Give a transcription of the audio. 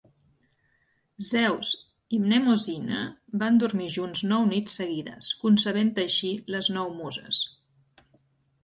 Zeus i Mnemosyne van dormir junts nou nits seguides, concebent així les nou Muses.